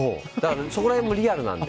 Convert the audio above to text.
そこら辺もリアルなので。